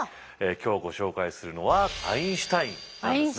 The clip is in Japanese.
今日ご紹介するのはアインシュタインなんですね。